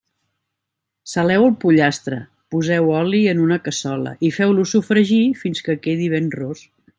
Saleu el pollastre, poseu oli en una cassola i feu-lo sofregir fins que quedi ben ros.